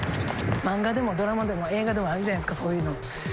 漫画でもドラマでも映画でもあるじゃないですかそういうの。